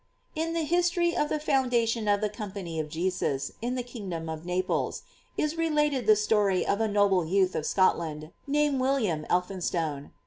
In the history of the foundations of the Com pany of Jesus, in the kingdom of Naples, is re lated the following story of a noble youth of Scotland, named William Elphinstone.